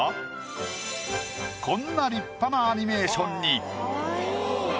こんな立派なアニメーションに。